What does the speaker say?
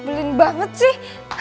belin banget sih